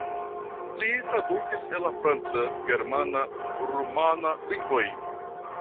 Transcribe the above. Li tradukis el la franca, germana, rumana lingvoj.